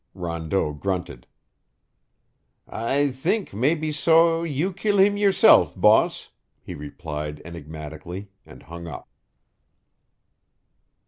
Rondeau grunted. "I theenk mebbe so you kill heem yourself, boss," he replied enigmatically, and hung up.